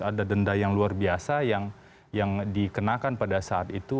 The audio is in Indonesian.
ada denda yang luar biasa yang dikenakan pada saat itu